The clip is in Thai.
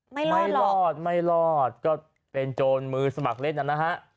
ไม่รอดไม่รอดไม่รอดก็เป็นโจรมือสมัครเล่นนะฮะ